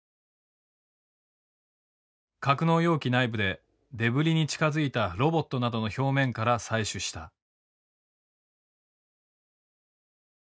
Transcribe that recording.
格納容器内部でデブリに近づいたロボットなどの表面から採取した。